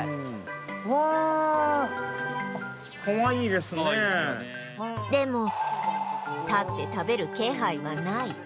でも立って食べる気配はない